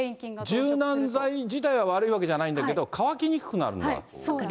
柔軟剤自体が悪いわけじゃないんだけど、乾きにくくなるんだ。